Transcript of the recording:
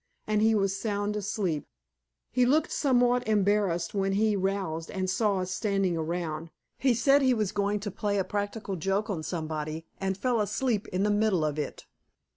And he was sound asleep. He looked somewhat embarrassed when he roused and saw us standing around. He said he was going to play a practical joke on somebody and fell asleep in the middle of it.